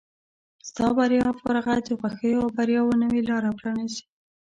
ستا بریا او فارغت د خوښیو او بریاوو نوې لاره پرانیزي.